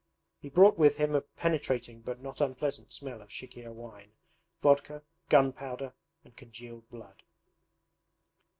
He brought with him a penetrating but not unpleasant smell of CHIKHIR wine, vodka, gunpowder, and congealed blood.